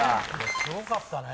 すごかったね。